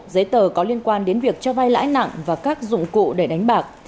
giấy tờ có liên quan đến việc cho vai lãi nặng và các dụng cụ để đánh bạc